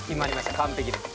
完璧です。